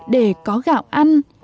để có gạo ăn